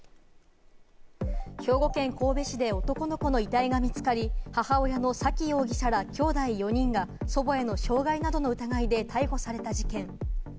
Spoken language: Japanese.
兵庫県神戸市で男の子の遺体が見つかり、母親の沙喜容疑者ら、きょうだい４人が祖母への傷害などの疑いで逮捕された事件。